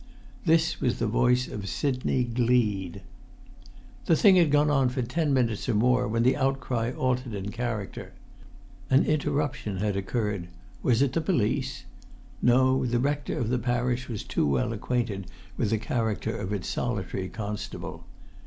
This was the voice of Sidney Gleed. The thing had gone on for ten minutes or more when the outcry altered in character: an interruption had occurred: was it the police? No, the rector of the parish was too well acquainted with the character of its solitary constable.